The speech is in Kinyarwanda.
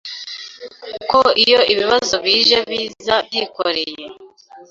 ko iyo ibibazo bije biza byikoreye